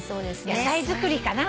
「野菜作り」かな。